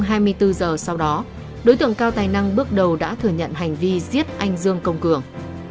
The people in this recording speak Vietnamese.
hai mươi bốn giờ sau đó đối tượng cao tài năng bước đầu đã thừa nhận hành vi giết anh dương công cường